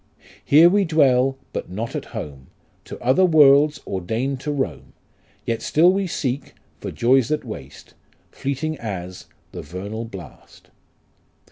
Here we dwell but not at home, To other worlds ordain'd to roam ; Yet still we seek for joys that waste, Fleeting as the vernal blast.